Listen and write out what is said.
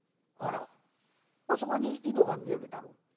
ほらあそこに井戸が見えるだろ。